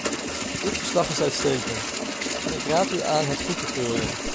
Dit verslag is uitstekend, en ik raad u aan het goed te keuren.